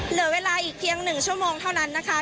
เหลือเวลาอีกเพียง๑ชั่วโมงเท่านั้นนะคะ